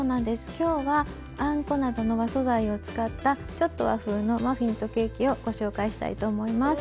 今日はあんこなどの和素材を使ったちょっと和風のマフィンとケーキをご紹介したいと思います。